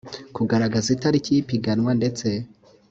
kugaragaza itariki y ipiganwa ndetse